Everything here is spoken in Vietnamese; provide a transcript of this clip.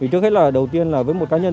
trước hết là đầu tiên là với một cá nhân